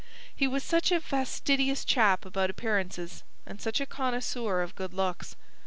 He was such a fastidious chap about appearances, and such a connoisseur of good looks.